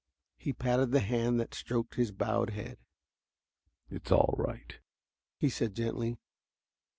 He patted the hand that had stroked his bowed head. "It's all right," he said gently.